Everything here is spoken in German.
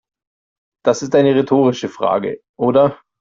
Das ist eine rhetorische Frage, oder?